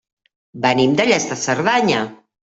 Venim de Lles de Cerdanya.